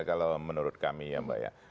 kalau menurut kami ya mbak ya